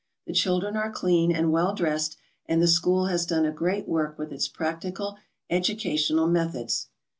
The children are clean and well dressed and the school has done a great work with its practical educational methods.